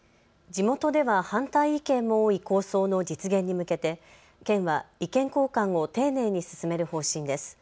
地元では反対意見も多い構想の実現に向けて県は意見交換を丁寧に進める方針です。